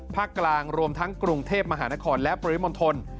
ภาคกลางรวมทั้งกรุงเทพมหานครและปริมณฑล